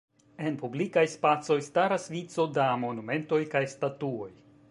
En publikaj spacoj staras vico da monumentoj kaj statuoj.